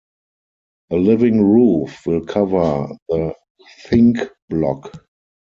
A Living Roof will cover the Think Block.